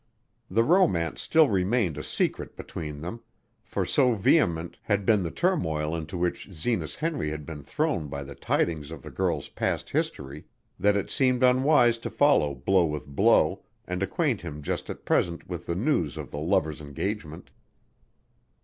The romance still remained a secret between them, for so vehement had been the turmoil into which Zenas Henry had been thrown by the tidings of the girl's past history that it seemed unwise to follow blow with blow and acquaint him just at present with the news of the lovers' engagement.